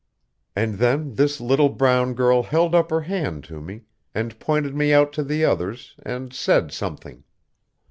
And then this little brown girl held up her hand to me, and pointed me out to the others, and said something.